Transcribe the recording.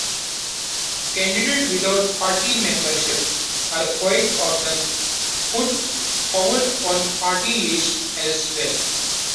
Candidates without party membership are quite often put forward on party lists as well.